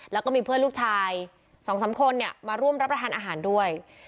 แล้วก็มีเพื่อนลูกชาย๒๓คนมาร่วมรับประทานอาหารด้วย